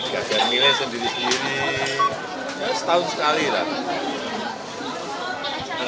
empat puluh tiga gajar milih sendiri sendiri setahun sekali lah